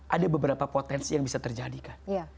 ada beberapa potensi yang bisa terjadikan